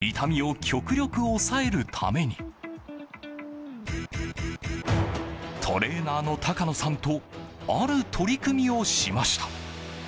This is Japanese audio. そこで、痛みを極力抑えるためにトレーナーの高野さんとある取り組みをしました。